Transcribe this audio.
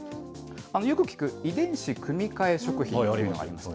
よく聞く、遺伝子組み換え食品というのがありますよね。